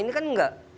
ini kan enggak